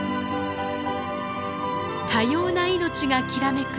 多様な命がきらめく